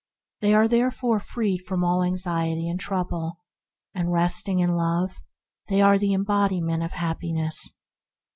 They are therefore freed from all anxiety and trouble; resting in Love, they are the embodiment of happi ness.